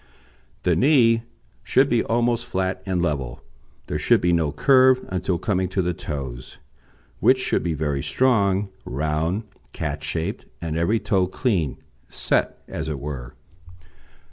The knee should be almost flat and level; there should be no curve until coming to the toes, which should be very strong, round, cat shaped, and every toe clean set as it were.